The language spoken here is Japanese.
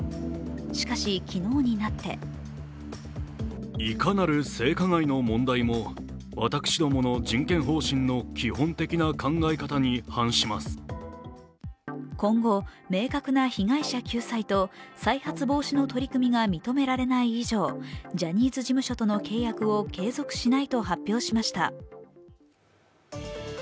しかし昨日になって今後明確な被害者救済と再発防止の取り組みが認められない以上、ジャニーズ事務所との契約を継続しないと発表しました。